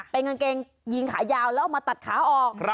เป็นกางเกงยีนขายาวแล้วเอามาตัดขาออก